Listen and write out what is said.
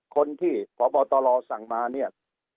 คนที่พบตรสั่งมาเนี่ย